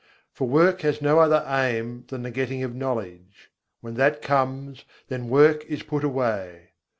For work has no other aim than the getting of knowledge: When that comes, then work is put away.